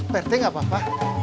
pertek gak apa apa